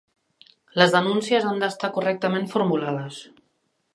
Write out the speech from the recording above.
Les denúncies han d'estar correctament formulades.